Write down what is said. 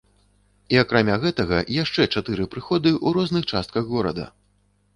І акрамя гэтага яшчэ чатыры прыходы ў розных частках горада!